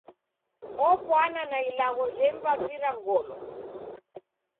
Opwana na ilagho jemvavira ngolo.